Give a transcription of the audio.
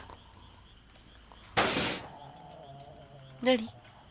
何？